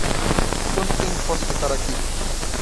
Quanto tempo posso ficar aqui?